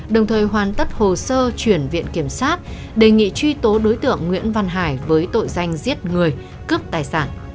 đồng thời hoàn tất hồ sơ chuyển viện kiểm sát đề nghị truy tố đối tượng nguyễn văn hải với tội danh giết người cướp tài sản